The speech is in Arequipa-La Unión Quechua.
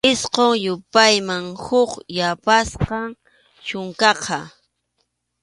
Isqun yupayman huk yapasqam chunkaqa.